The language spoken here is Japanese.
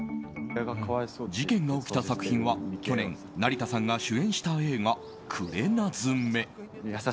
事件が起きた作品は去年成田さんが主演した映画「くれなずめ」。